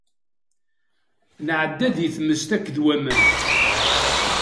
Nɛedda di tmes akked waman.